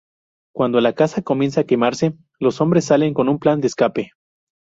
Cuando la casa comienza a quemarse, los hombres salen con un plan de escape.